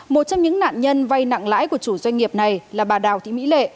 một trong những nạn nhân vay nặng lãi của chủ doanh nghiệp này là bà đào thị mỹ lệ